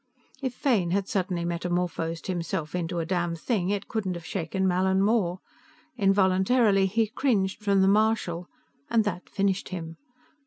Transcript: _" If Fane had suddenly metamorphosed himself into a damnthing, it couldn't have shaken Mallin more. Involuntarily he cringed from the marshal, and that finished him.